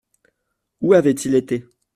Où avait-il été ?